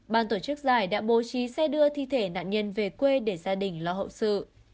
ban tổ chức giải đã bố trí xe đưa thi thể nạn nhân về quê để gia đình lo hậu sự